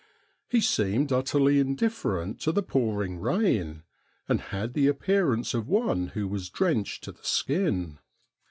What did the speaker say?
He seemed utterly indifferent to the pouring rain, and had the appearance of one who was drenched to the skin.